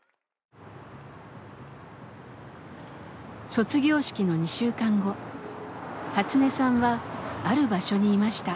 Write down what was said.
卒業式の２週間後ハツネさんはある場所にいました。